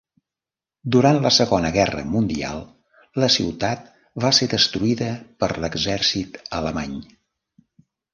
Durant la Segona Guerra Mundial la ciutat va ser destruïda per l'exèrcit alemany.